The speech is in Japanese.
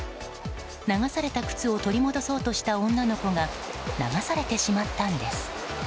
流された靴を取り戻そうとした女の子が流されてしまったんです。